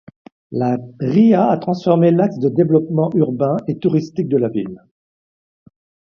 La ria a transformé l'axe de développement urbain et touristique de la ville.